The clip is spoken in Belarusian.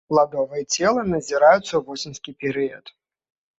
Пладовыя целы назіраюцца ў восеньскі перыяд.